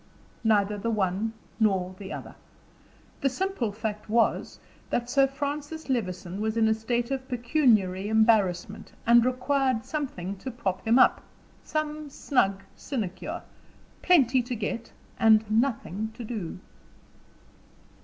Neither the one nor the other. The simple fact was, that Sir Francis Levison was in a state of pecuniary embarrassment, and required something to prop him up some snug sinecure plenty to get and nothing to do.